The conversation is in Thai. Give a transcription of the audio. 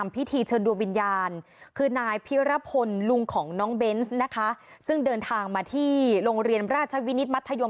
พิรพลลุงของน้องเบ้นนะคะซึ่งเดินทางมาที่โรงเรียนราชวินิตมัธยม